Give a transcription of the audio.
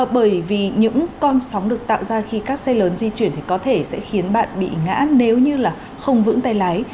bởi vì những con sóng được tạo ra khi các xe lớn di chuyển thì có thể sẽ khiến bạn bị ngã nếu như là không vững tay lái